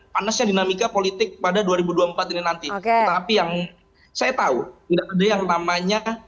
panasnya dinamika politik pada dua ribu dua puluh empat ini nanti tapi yang saya tahu tidak ada yang namanya